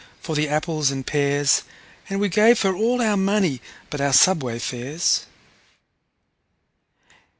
for the apples and pears, And we gave her all our money but our subway fares.